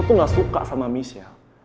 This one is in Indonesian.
lo tuh gak suka sama michelle